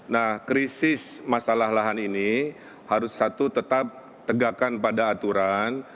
nah krisis masalah lahan ini harus satu tetap tegakkan pada aturan